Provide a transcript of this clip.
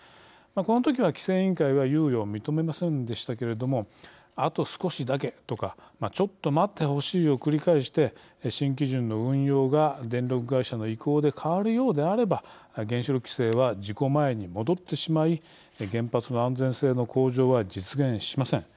このときは規制委員会は猶予を認めませんでしたけれどもあと少しだけとかちょっと待ってほしいを繰り返して新基準の運用が電力会社の意向で変わるようであれば原子力規制は事故前に戻ってしまい原発の安全性の向上は実現しません。